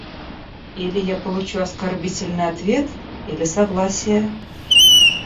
Или я получу оскорбительный ответ, или согласие.